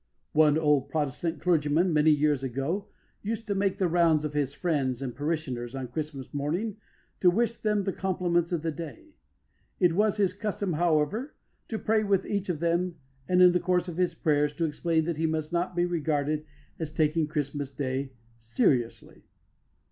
One old Protestant clergyman many years ago used to make the rounds of his friends and parishioners on Christmas morning to wish them the compliments of the day. It was his custom, however, to pray with each of them, and in the course of his prayers to explain that he must not be regarded as taking Christmas Day seriously.